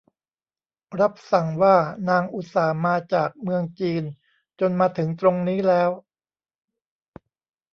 รับสั่งว่านางอุตส่าห์มาจากเมืองจีนจนมาถึงตรงนี้แล้ว